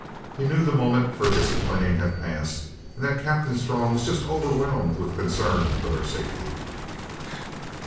He knew the moment for disciplining had passed, and that Captain Strong was just overwhelmed with concern for their safety.